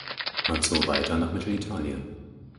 Man zog weiter nach Mittelitalien.